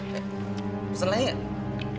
pesan lagi gak